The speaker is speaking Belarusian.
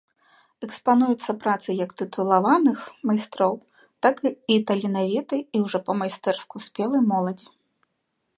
Экспануюцца працы як тытулаваных майстроў, так і таленавітай і ўжо па-майстэрску спелай моладзі.